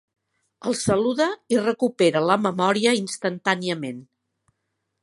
El saluda i recupera la memòria instantàniament.